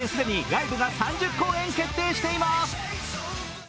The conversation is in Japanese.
来年既にライブが３０公演決定しています。